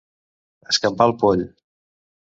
Escampar el poll.